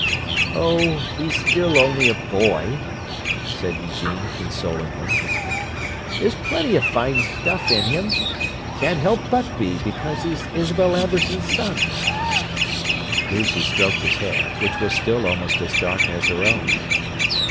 "Oh, he's still only a boy," said Eugene consolingly. "There's plenty of fine stuff in him—can't help but be, because he's Isabel Amberson's son." Lucy stroked his hair, which was still almost as dark as her own.